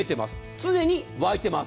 常に沸いてます。